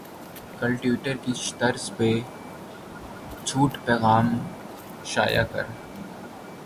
کل ٹیوٹر کی طرز کے پر چھوٹ پیغام شائع کر